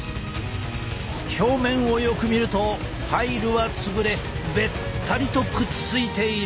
表面をよく見るとパイルは潰れべったりとくっついている。